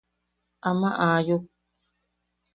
–Ama aayuk.